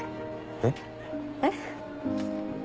えっ？えっ？